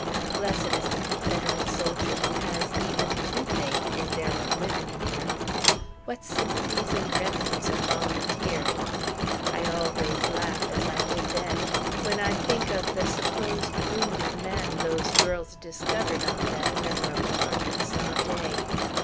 Blessed is the Confederate soldier who has even toothache, when there are women near! What sympathies and remedies are volunteered! I always laugh, as I did then, when I think of the supposed wounded man those girls discovered on that memorable Arkansas day.